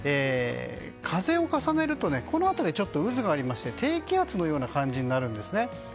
風を重ねると、この辺りに渦がありまして低気圧のような感じになるんです。